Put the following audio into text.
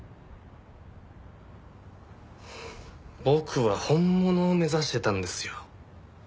僕は本物を目指してたんですよ。